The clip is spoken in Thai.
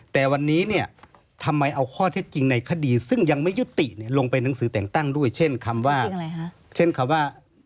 แต่วันนี้เนี่ยทำไมเอาข้อเท็จจริงในคดีซึ่งยังไม่ยุติลงไปหนังสือแต่งตั้งด้วยเช่นคำว่าเช่นคำว่า